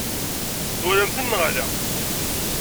Twalam-ten neɣ ala?